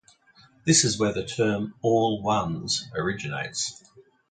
This is where the term All Ones originates.